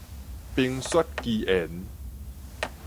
冰雪奇緣